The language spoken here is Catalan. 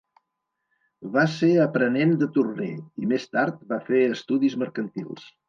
Va ser aprenent de torner i més tard va fer estudis mercantils.